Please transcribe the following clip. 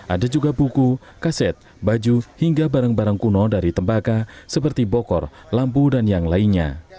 ada juga buku kaset baju hingga barang barang kuno dari tembaka seperti bokor lampu dan yang lainnya